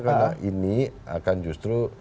karena ini akan justru